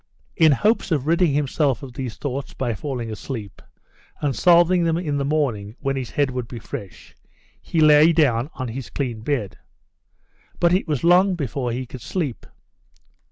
In hopes of ridding himself of these thoughts by falling asleep, and solving them in the morning when his head would be fresh, he lay down on his clean bed. But it was long before he could sleep.